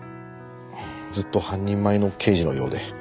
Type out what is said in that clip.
ずっと半人前の刑事のようで。